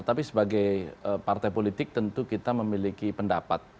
tapi sebagai partai politik tentu kita memiliki pendapat